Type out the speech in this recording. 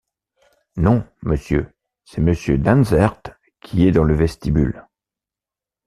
Non, Monsieur, c’est monsieur Dansaert qui est dans le vestibule. ..